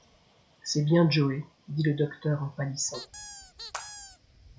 C’est bien Joe! dit le docteur en pâlissant.